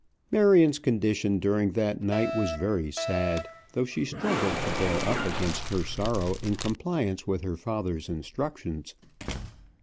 Marion's condition during that night was very sad, though she struggled to bear up against her sorrow in compliance with her father's instructions.